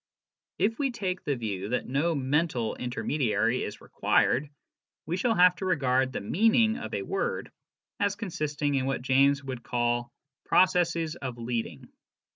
If we take the view that no " mental " intermediary is required, we shall have to regard the " meaning" of a word as consisting in what James would call " processes of leading."